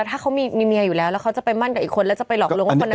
แต่เขามีเมียอยู่แล้วแล้วเขาจะไปมั่นกับอีกคนแล้วจะไปหลอกลงว่าคนนั้นจะหลอกแบบนั้น